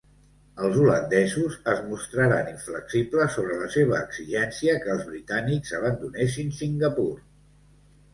Els holandesos es mostraren inflexibles sobre la seva exigència que els britànics abandonessin Singapur.